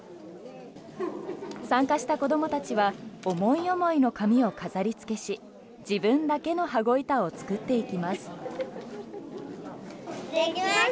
参加した子どもたちは思い思いの紙を飾りつけし自分だけの羽子板を作っていきます。